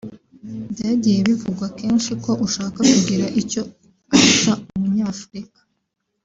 Byagiye bivugwa kenshi ko ushaka kugira icyo ahisha umunyafurika